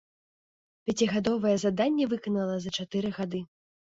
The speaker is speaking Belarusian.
Пяцігадовае заданне выканала за чатыры гады.